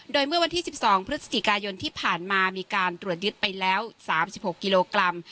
โดยเมื่อวันที่๑๒พฤศจิกายนที่ผ่านมามีการตรวจยึดไปแล้ว๓๖กิโลกรัม